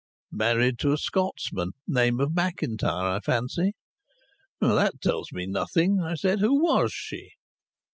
"Married to a Scotsman named Macintyre, I fancy." "That tells me nothing," I said. "Who was she?"